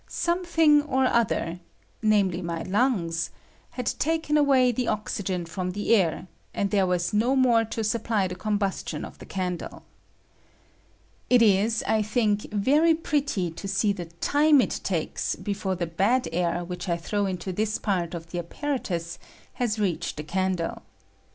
Something or other — namely, my lungs — had taken away the oxygen from the air, and there was no more to supply the combustion of the candle. It is, I think, very pretty to see the time it takes before the bad air which 1 'throw into this part of the apparatus has reached the candle.